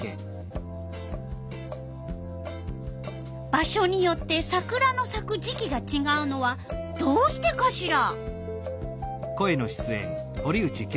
場所によってサクラのさく時期がちがうのはどうしてかしら？